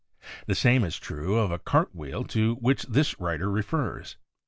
The same is true of a cart wheel to which this writer re fers.